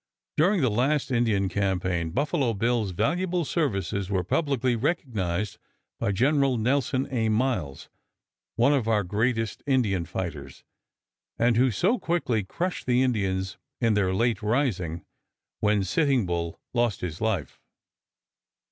During the last Indian campaign Buffalo Bill's valuable services were publicly recognized by Gen. Nelson A. Miles, one of our greatest Indian fighters, and who so quickly crushed the Indians in their late rising, when Sitting Bull lost his life.